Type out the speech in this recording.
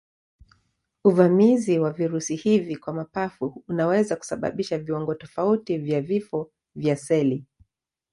Uvamizi wa virusi hivi kwa mapafu unaweza kusababisha viwango tofauti vya vifo vya seli.